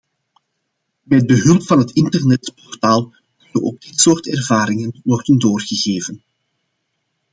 Met behulp van het internetportaal kunnen ook dit soort ervaringen worden doorgegeven.